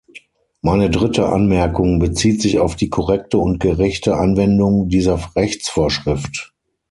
Meine dritte Anmerkung bezieht sich auf die korrekte und gerechte Anwendung dieser Rechtsvorschrift.